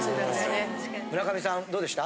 村上さんどうでした？